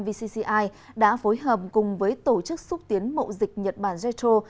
vcci đã phối hợp cùng với tổ chức xúc tiến mậu dịch nhật bản jetro